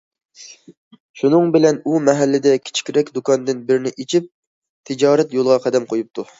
شۇنىڭ بىلەن ئۇ مەھەللىدە كىچىكرەك دۇكاندىن بىرنى ئېچىپ تىجارەت يولىغا قەدەم قويۇپتۇ.